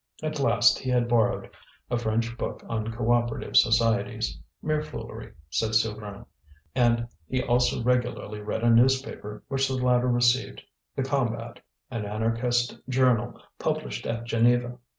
At last he had borrowed a French book on Co operative Societies mere foolery, said Souvarine; and he also regularly read a newspaper which the latter received, the Combat, an Anarchist journal published at Geneva.